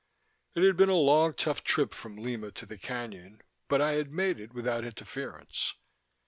It had been a long tough trip from Lima to the cañon, but I had made it without interference.